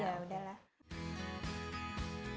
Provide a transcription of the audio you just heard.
ya udah lah